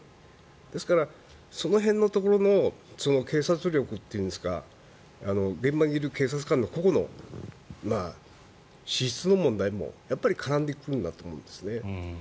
ですからその辺のところの警察力というんですか現場にいる警察官の個々の資質の問題もやっぱり絡んでくるんだと思うんですね。